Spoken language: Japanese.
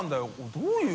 どういう？